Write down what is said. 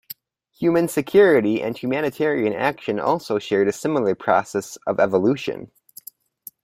Human security and humanitarian action also shared a similar process of evolution.